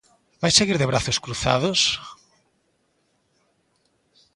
¿Vai seguir de brazos cruzados?